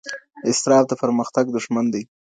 اسراف د پرمختګ دښمن دی.